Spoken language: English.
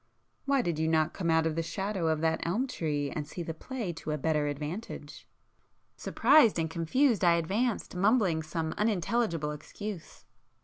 Why did you not come out of the [p 352] shadow of that elm tree and see the play to a better advantage?" Surprised and confused, I advanced, mumbling some unintelligible excuse.